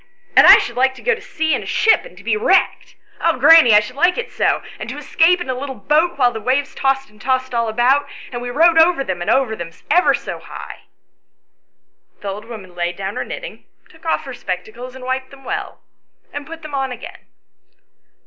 And I should like to go to sea in a ship and to be wrecked ; oh, granny, I should like it so ; and to escape in a little boat while the waves tossed and tossed all about, and we rode over them and over them ever so high." 108 ANYHOW STORIES. [STORY The old woman laid down her knitting, and took off her spectacles and wiped them well, and put them on again.